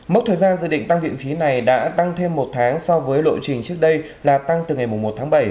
mốc thời gian dự định tăng viện phí này đã tăng thêm một tháng so với lộ trình trước đây là tăng từ ngày một tháng bảy